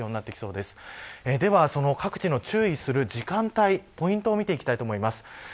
では、その各地の注意する時間帯ポイントを見ていきます。